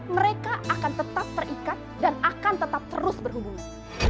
mereka akan tetap terikat dan akan tetap terus berhubungan